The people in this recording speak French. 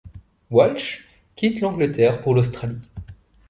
Walsh quitte l'Angleterre pour l'Australie.